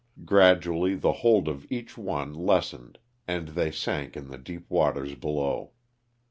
Gradually the hold of each one lessened and they sank in the deep waters below.